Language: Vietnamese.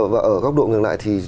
và ở góc độ ngừng lại thì